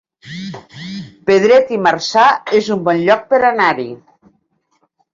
Pedret i Marzà es un bon lloc per anar-hi